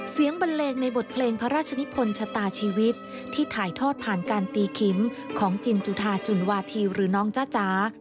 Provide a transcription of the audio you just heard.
บันเลงในบทเพลงพระราชนิพลชะตาชีวิตที่ถ่ายทอดผ่านการตีขิมของจินจุธาจุนวาธีหรือน้องจ้าจ๋า